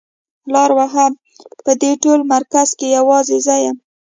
لار وهه په دې ټول مرکز کې يوازې زه يم.